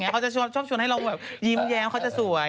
เขาจะชอบชวนให้เราแบบยิ้มแย้มเขาจะสวย